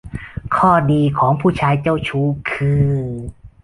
ข้อดีของผู้ชายเจ้าชู้คือ